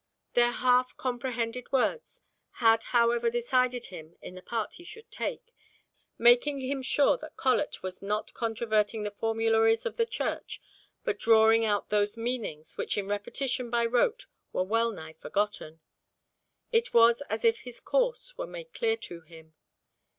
Their half comprehended words had however decided him in the part he should take, making him sure that Colet was not controverting the formularies of the Church, but drawing out those meanings which in repetition by rote were well nigh forgotten. It was as if his course were made clear to him.